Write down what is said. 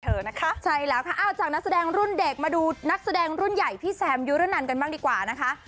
เธอนะคะใช่แล้วค่ะอ้าวจากนักแสดงรุ่นเด็กมาดูนักแสดงรุ่นใหญ่พี่แซมยุระนันกันบ้างดีกว่านะคะ